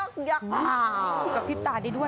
คราบพิทัดด้วย